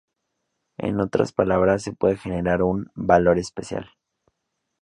En otras palabras se puede generar un "valor especial".